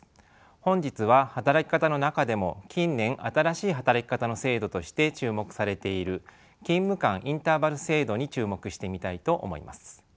本日は働き方の中でも近年新しい働き方の制度として注目されている勤務間インターバル制度に注目してみたいと思います。